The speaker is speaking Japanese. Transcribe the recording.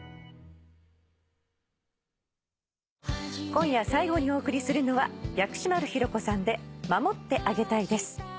今夜最後にお送りするのは薬師丸ひろ子さんで『守ってあげたい』です。